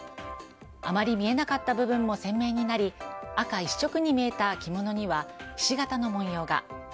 あまり見えなかった部分も鮮明になり朱一色に見えた着物には菱形の文様が。